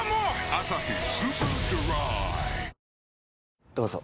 「アサヒスーパードライ」どうぞ。